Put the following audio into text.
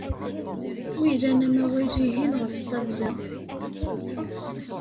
Wilan amawal-ihin ɣef ṭṭabla?